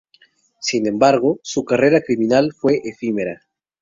Sin embargo, su carrera criminal fue efímera.